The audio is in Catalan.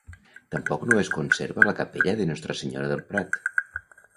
Tampoc no es conserva la capella de Nostra Senyora del Prat.